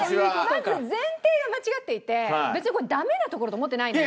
まず前提が間違っていて別にこれダメなところと思ってないので。